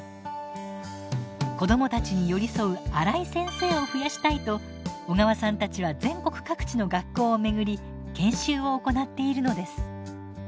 子どもたちに寄り添うアライ先生を増やしたいと小川さんたちは全国各地の学校を巡り研修を行っているのです。